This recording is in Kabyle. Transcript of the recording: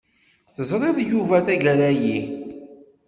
Teẓriḍ Yuba tagara-yi?